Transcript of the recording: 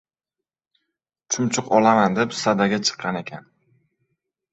Chumchuq olaman deb sadaga chiq- qan ekan.